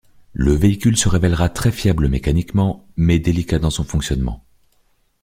Le véhicule se révèlera très fiable mécaniquement mais délicat dans son fonctionnement.